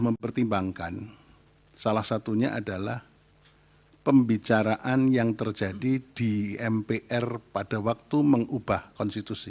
mempertimbangkan salah satunya adalah pembicaraan yang terjadi di mpr pada waktu mengubah konstitusi